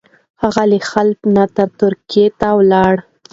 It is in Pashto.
هغه له حلب نه ترکیې ته ولاړ.